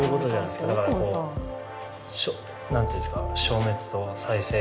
だからこうなんて言うんですか消滅と再生みたいなこと。